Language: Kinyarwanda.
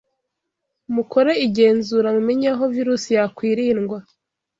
Mukore igenzura mumenye aho virus yakwirindwa